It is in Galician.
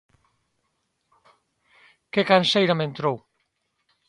Que canseira me entrou